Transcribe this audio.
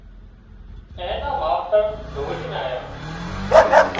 اين نا ماوتر ڌوڙينَ آيان